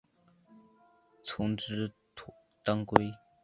丛枝土当归